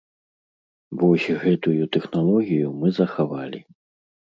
Вось гэтую тэхналогію мы захавалі.